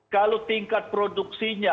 kalau tingkat produksinya